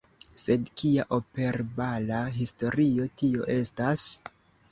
Sed kia operbala historio tio estas?